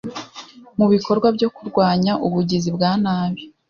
mu bikorwa byo kurwanya ubugizi bwa nabi